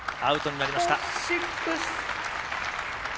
アウトになりました。